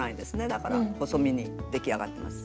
だから細身に出来上がってます。